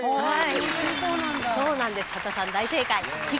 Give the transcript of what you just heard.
はい。